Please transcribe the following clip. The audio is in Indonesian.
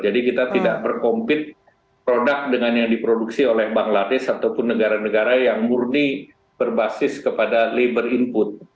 jadi kita tidak berkompit produk dengan yang diproduksi oleh bangladesh ataupun negara negara yang murni berbasis kepada labor input